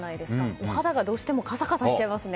お肌がどうしてもカサカサしちゃいますね。